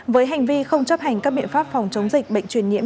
với hành vi không chấp hành các biện pháp phòng chống dịch bệnh truyền nhiễm